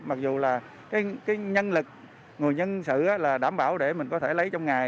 mặc dù là cái nhân lực người nhân sự là đảm bảo để mình có thể lấy trong ngày